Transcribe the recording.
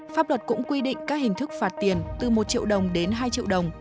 pháp luật cũng quy định các hình thức phạt tiền từ một triệu đồng đến hai triệu đồng